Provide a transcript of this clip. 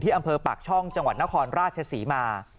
อำเภอปากช่องจังหวัดนครราชศรีมา